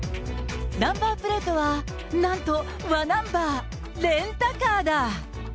ナンバープレートはなんと、わナンバー、レンタカーだ。